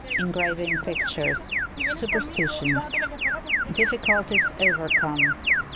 Engraving Pictures. Superstitions. Difficulties overcome.